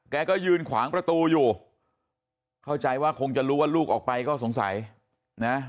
ก็ยืนขวางประตูอยู่เข้าใจว่าคงจะรู้ว่าลูกออกไปก็สงสัยนะ